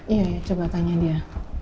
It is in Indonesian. iya coba tanya dia